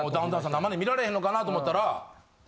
生で観られへんのかなと思ったら。